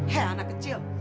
hei anak kecil